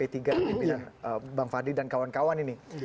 yang bang farli dan kawan kawan ini